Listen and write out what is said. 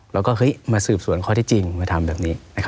เราก็มาสืบสวนข้อที่จริงมาทำแบบนี้